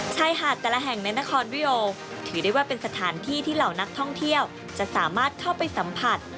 ชายหาดแต่ละแห่งในนครวิโอถือได้ว่าเป็นสถานที่ที่เหล่านักท่องเที่ยวจะสามารถเข้าไปสัมผัส